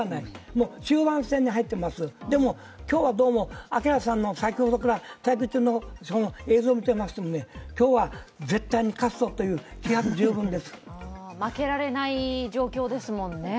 もう終盤戦に入っていますでも、今日はどうも明さんの先ほどから対決の映像を見ていましても「今日は絶対に勝つぞ」という負けられない状況ですもんね。